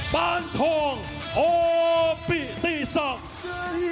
ปานทองโอปิติศักดิ์